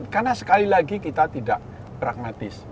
karena sekali lagi kita tidak pragmatis